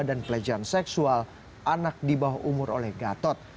dan pelecehan seksual anak di bawah umur oleh gatot